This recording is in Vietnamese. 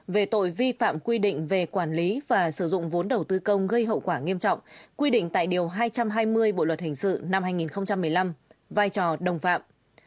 về tội vi phạm quy định về quản lý và sử dụng vốn đầu tư công gây hậu quả nghiêm trọng quy định tại điều hai trăm hai mươi bộ luật hình sự năm hai nghìn một mươi năm vai trò đồng phạm